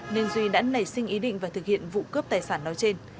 nên duy đã nảy sinh ý định và thực hiện vụ cướp tài sản nói trên